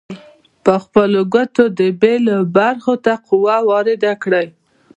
پر خپلې ګوتې د بیلو برخو ته قوه وارده کړئ.